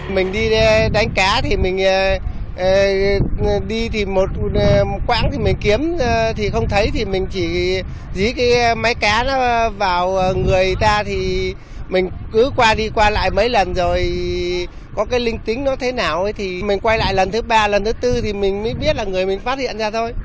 mình đi đánh cá thì mình đi thì một quãng thì mình kiếm thì không thấy thì mình chỉ dí cái máy cá nó vào người ta thì mình cứ qua đi qua lại mấy lần rồi có cái linh tính nó thế nào thì mình quay lại lần thứ ba lần thứ tư thì mình mới biết là người mình phát hiện ra thôi